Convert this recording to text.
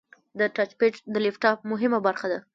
د ټچ پیډ د لپټاپ مهمه برخه ده.